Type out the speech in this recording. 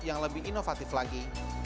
yang lebih inovatif lagi